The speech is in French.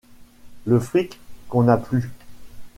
le fric qu'on a plus.